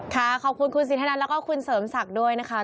ขอบคุณคุณสินทนันแล้วก็คุณเสริมศักดิ์ด้วยนะคะ